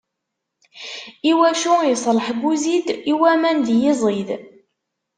I wacu iṣleḥ Buzid? i waman d yiẓid.